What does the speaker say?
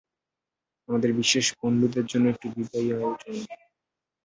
আমাদের বিশেষ বন্ধুদের জন্য একটু বিদায়ী আয়োজন।